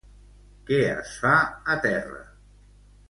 Què es fa a terra?